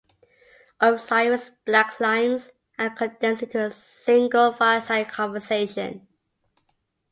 All of Sirius Black's lines are condensed into a single fireside conversation.